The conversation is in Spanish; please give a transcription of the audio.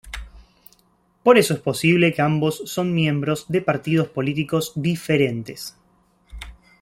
Por eso es posible que ambos son miembros de partidos políticos diferentes.